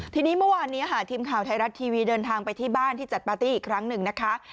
ทีนี้เมื่อวานนี้ค่ะทีมข่าวไทยรัฐทีวีเดินทางไปที่บ้านที่จัดปาร์ตี้อีกครั้งหนึ่งนะคะ